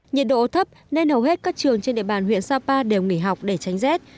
nhiệt độ thấp nên hầu hết các trường trên địa bàn huyện sapa đều nghỉ học để tránh rét